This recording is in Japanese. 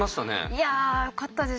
いやよかったです。